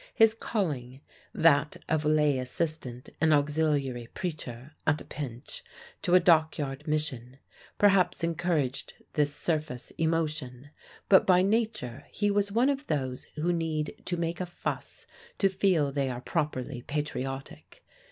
His calling that of lay assistant and auxiliary preacher (at a pinch) to a dockyard Mission perhaps encouraged this surface emotion; but by nature he was one of those who need to make a fuss to feel they are properly patriotic.